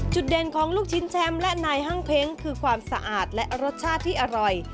จุดเด่นของลูกชิ้นแชมและไหนห้างเพงคือความสะอาดและรสชาติอร่อย